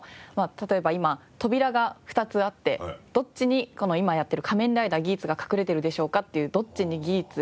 例えば今扉が２つあってどっちに今やっている仮面ライダーギーツが隠れているでしょうかっていう「どっちにギーツ？